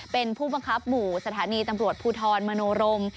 เป็นผู้บังคับหมู่สถานีตำรวจภูทรมโนรม